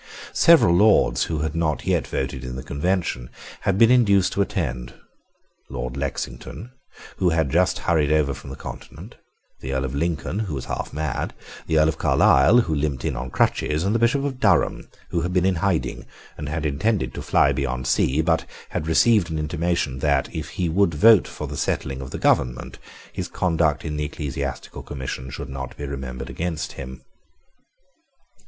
Several Lords who had not yet voted in the Convention had been induced to attend; Lord Lexington, who had just hurried over from the Continent; the Earl of Lincoln, who was half mad; the Earl of Carlisle, who limped in on crutches; and the Bishop of Durham, who had been in hiding and had intended to fly beyond sea, but had received an intimation that, if he would vote for the settling of the government, his conduct in the Ecclesiastical Commission should not be remembered against him.